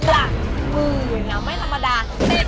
หลักหมื่นนะไม่ธรรมดา